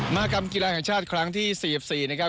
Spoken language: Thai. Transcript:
มากรรมกีฬาแห่งชาติครั้งที่๔๔นะครับ